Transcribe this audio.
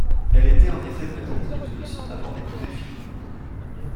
Elle était en effet prêtresse de Zeus avant d'épouser Philippe.